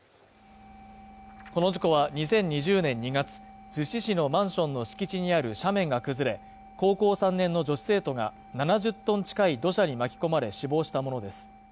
この事故は２０２０年２月、逗子市のマンションの敷地にある斜面が崩れ、高校３年の女子生徒が７０トン近い土砂に巻き込まれ死亡したものです。